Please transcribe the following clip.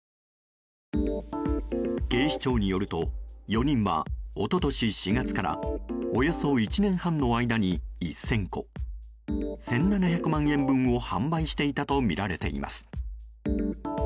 警視庁によると、４人は一昨年４月からおよそ１年半の間に１０００個１７００万円分を販売していたとみられています。